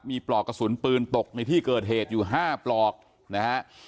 มีปลอกกระสุนปืนตกในที่เกิดเหตุอยู่๕ปลอกนะฮะ